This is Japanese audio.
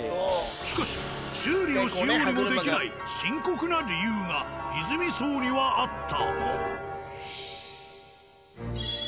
しかし修理をしようにもできない深刻な理由がいづみ荘にはあった。